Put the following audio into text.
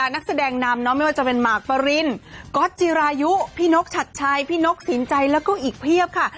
นักแสดงนำไม่ว่าจะเป็นหมากปรินก๊อตจิรายุพี่นกชัดชัยพี่นกสินใจแล้วก็อีกเพียบค่ะ